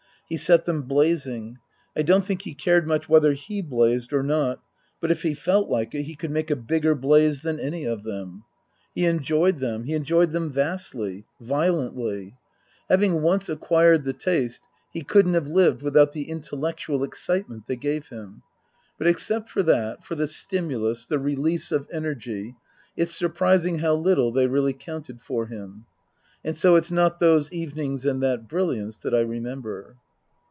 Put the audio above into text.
He set them blazing. I don't think he cared much whether he blazed or not, but if he felt like it he could make a bigger blaze than any of them. He enjoyed them ; he enjoyed them vastly, Book II : Her Book 149 violently. Having once acquired the taste, he couldn't have lived without the intellectual excitement they gave him. But except for that, for the stimulus, the release of energy, it's surprising how little they really counted for him. And so it's not those evenings and that brilliance that I remember.